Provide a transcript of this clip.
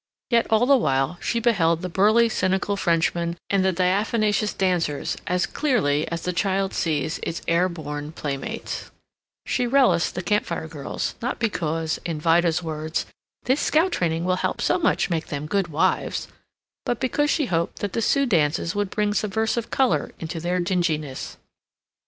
Yet all the while she beheld the burly cynical Frenchman and the diaphanous dancers as clearly as the child sees its air born playmates; she relished the Camp Fire Girls not because, in Vida's words, "this Scout training will help so much to make them Good Wives," but because she hoped that the Sioux dances would bring subversive color into their dinginess.